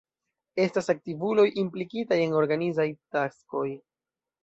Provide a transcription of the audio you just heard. Estas aktivuloj implikitaj en organizaj taskoj.